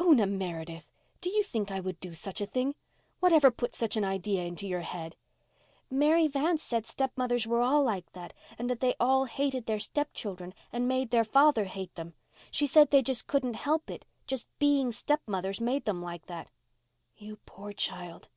"Una Meredith! Do you think I would do such a thing? Whatever put such an idea into your head?" "Mary Vance said stepmothers were all like that—and that they all hated their stepchildren and made their father hate them—she said they just couldn't help it—just being stepmothers made them like that"— "You poor child!